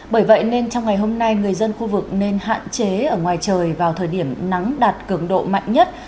bởi vậy nên trong ngày hôm nay người dân khu vực nên hạn chế ở ngoài trời vào thời điểm nắng đạt cường độ mạnh nhất